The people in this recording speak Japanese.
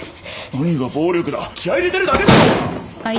何が暴気合い入れてるだけだろうが！